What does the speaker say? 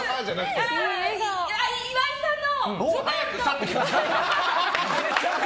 岩井さんの。